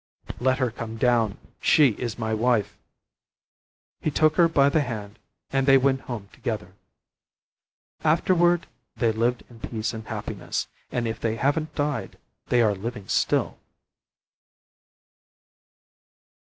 "Let her come down, she is my wife." He took her by the hand, and they went home together. Afterward they lived in peace and happiness, and if they haven't died, they are living still.